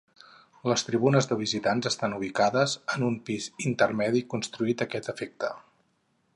Les tribunes de visitants estan ubicades en un pis intermedi construït a aquest efecte.